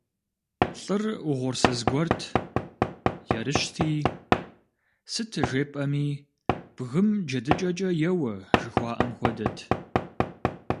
ЛӀыр угъурсыз гуэрт, ерыщти, сыт жепӀэми, бгым джэдыкӀэкӀэ еуэ, жухуаӏэм хуэдэт.